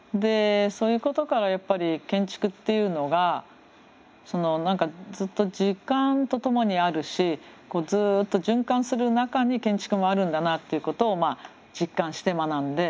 そういうことからやっぱり建築っていうのがずっと時間と共にあるしずっと循環する中に建築もあるんだなっていうことを実感して学んで。